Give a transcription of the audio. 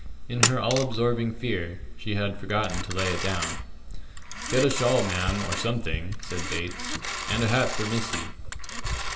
In her all absorbing fear she had forgotten to lay it down. "Get a shawl, ma'am, or something," says Bates, "and a hat for missy."